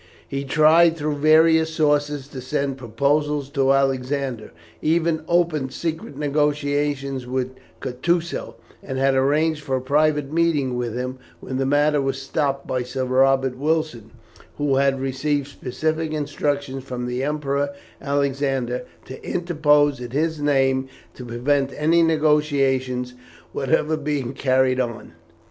He tried through various sources to send proposals to Alexander, and even opened secret negotiations with Kutusow, and had arranged for a private meeting with him, when the matter was stopped by Sir Robert Wilson, who had received specific instructions from the Emperor Alexander to interpose in his name to prevent any negotiations whatever being carried on.